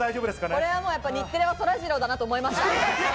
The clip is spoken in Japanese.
これはもう、日テレはそらジローだなと思いました。